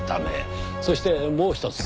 そしてもう１つ。